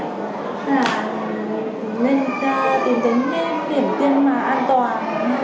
nên tìm tính điểm tiêm an toàn